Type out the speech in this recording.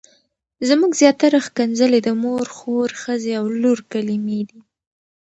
زموږ زياتره ښکنځلې د مور، خور، ښځې او لور کلمې دي.